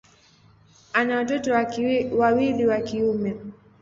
Ana watoto wawili wa kiume.